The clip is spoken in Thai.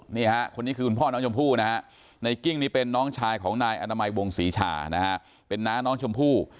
นี่ฮะคนนี้คือคุณพ่อน้องชมพู่นะฮะในกิ้งนี่เป็นน้องชายของนายอนามัยวงศรีชานะฮะเป็นน้าน้องชมพู่